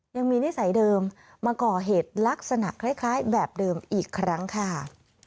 นิสัยเดิมมาก่อเหตุลักษณะคล้ายแบบเดิมอีกครั้งค่ะ